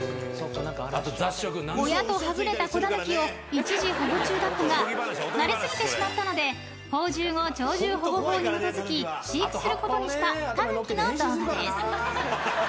［親とはぐれた子ダヌキを一時保護中だったが慣れすぎてしまったので放獣後鳥獣保護法に基づき飼育することにしたタヌキの動画です］